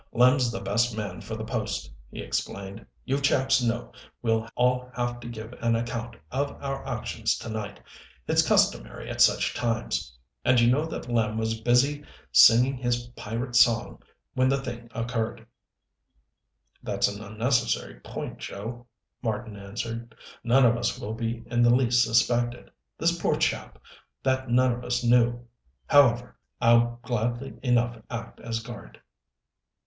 "Lem's the best man for the post," he explained. "You chaps know we'll all have to give an account of our actions to night. It's customary at such times. And you know that Lem was busy singing his pirate song when the thing occurred." "That's an unnecessary point, Joe," Marten answered. "None of us will be in the least suspected. This poor chap that none of us knew. However, I'll gladly enough act as guard."